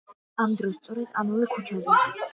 ამ დროს, სწორედ ამავე ქუჩაზე.